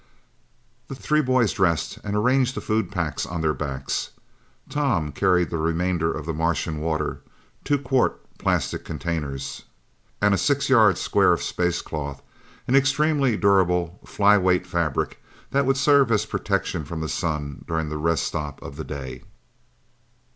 The three boys dressed and arranged the food packs on their backs. Tom carried the remainder of the Martian water, two quart plastic containers, and a six yard square of space cloth, an extremely durable flyweight fabric that would serve as protection from the sun during the rest stop of the day.